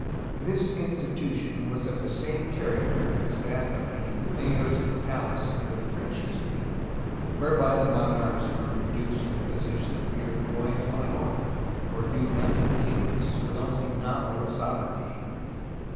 This institution was of the same character as that of the "mayors of the palace" in early French history, whereby the monarchs were reduced to the position of mere "rois faineants'^ (do nothing kings), with only nominal sovereignty.